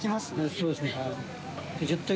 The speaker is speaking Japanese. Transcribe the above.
そうですねはい。